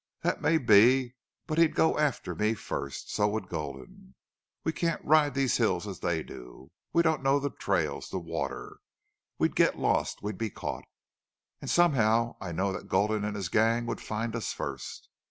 "That may be. But he'd go after me first. So would Gulden. We can't ride these hills as they do. We don't know the trails the water. We'd get lost. We'd be caught. And somehow I know that Gulden and his gang would find us first."